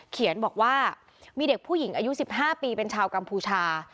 เขียนบอกว่ามีเด็กผู้หญิงอายุ๑๕ปีเป็นชาวกัมพูชา